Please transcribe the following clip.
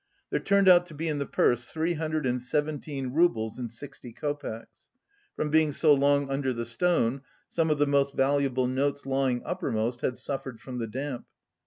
There turned out to be in the purse three hundred and seventeen roubles and sixty copecks. From being so long under the stone, some of the most valuable notes lying uppermost had suffered from the damp.